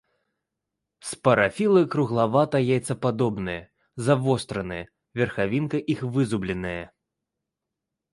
Спарафілы круглавата-яйцападобныя, завостраныя, верхавінка іх вызубленая.